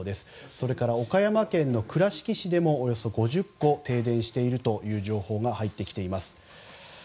それから岡山県の倉敷市でもおよそ５０戸停電しているという情報が入っています。